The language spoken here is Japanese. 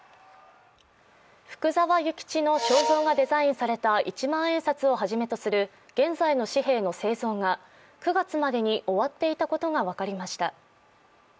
福沢諭吉の肖像がデザインされた一万円札をはじめとする現在の紙幣の製造が９月までに終わっていたことが分かりました。